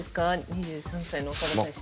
２３歳の長田選手。